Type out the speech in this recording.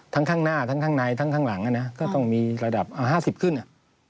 ข้างหน้าทั้งข้างในทั้งข้างหลังอ่ะนะก็ต้องมีระดับ๕๐ขึ้นอ่ะ